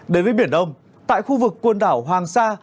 đến với biển đông tại khu vực quần đảo hoàng sa